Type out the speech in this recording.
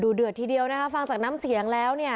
เดือดทีเดียวนะคะฟังจากน้ำเสียงแล้วเนี่ย